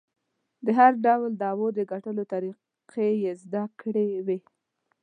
د هر ډول دعوو د ګټلو طریقې یې زده کړې وې.